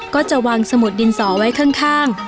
ก็จะวางสมุดดินสอไว้ข้าง